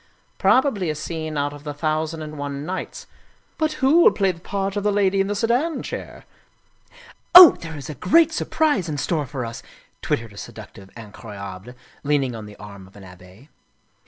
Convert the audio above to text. Probably a scene out of the ' Thousand and One Nights.' "" But who will play the part of the Lady in the Sedan Chair?" " Oh, there is a great surprise in store for us," twittered a seductive Incroyable, leaning on the arm of an Abbe.